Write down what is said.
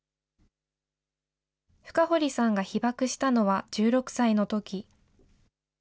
深堀さんが被爆したのは１６歳のとき。